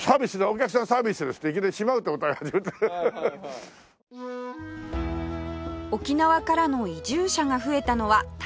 沖縄からの移住者が増えたのは大正の初め頃